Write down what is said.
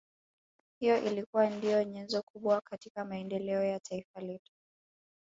Hiyo ilikuwa ndiyo nyenzo kubwa katika maendeleo ya Taifa letu